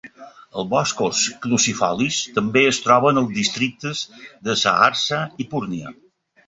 Els boscos caducifolis també es troben als districtes de Saharsa i Purnia.